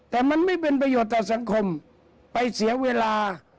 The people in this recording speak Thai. แต่มันไม่เป็นประโยชน์ต่อสังคมไปเสียเวลา